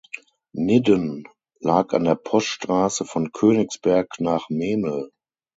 Nidden lag an der Poststraße von Königsberg nach Memel.